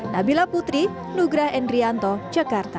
nabila putri nugra endrianto jakarta